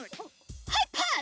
はいパス！